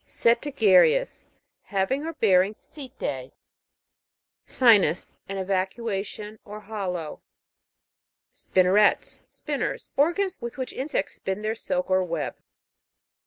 SETI'GEROUS. Having or bearing setae. SI'NUS. An excavation or hollow. SPIN'NERETS. Spinners. Organs with which insects spin their silk or web.